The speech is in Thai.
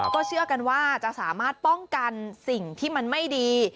ก็เชื่อกันว่าจะสามารถป้องกันสิ่งที่มันไม่ดี